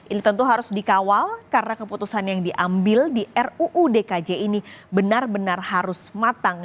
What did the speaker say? ini tentu harus dikawal karena keputusan yang diambil di ruu dkj ini benar benar harus matang